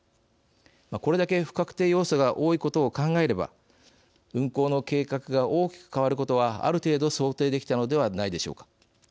これだけ不確定要素が多いことを考えれば運行の計画が大きく変わることはある程度想定できたのではないでしょうか。